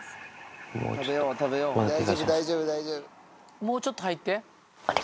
もうちょっと入って。